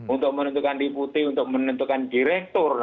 untuk menentukan diputi untuk menentukan direktur